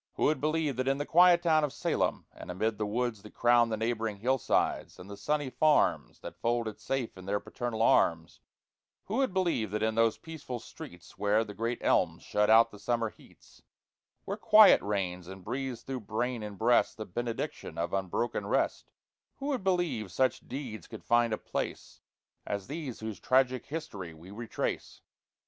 Who would believe that in the quiet town Of Salem, and amid the woods that crown The neighboring hillsides, and the sunny farms That fold it safe in their paternal arms, Who would believe that in those peaceful streets, Where the great elms shut out the summer heats, Where quiet reigns, and breathes through brain and breast The benediction of unbroken rest, Who would believe such deeds could find a place As these whose tragic history we retrace?